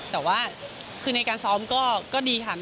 แต่ว่าคือในการซ้อมก็ดีค่ะ